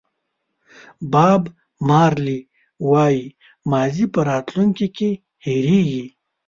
باب مارلې وایي ماضي په راتلونکي کې هېرېږي.